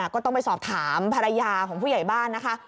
ก็ต้องไปสอบถามภรรยาของผู้ใหญ่บ้านนะคะ